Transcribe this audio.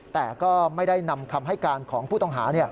แต่ก็ไม่ได้นำคำให้การของผู้ต้องหา